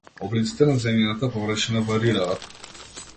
Облиците на земјината површина варираат.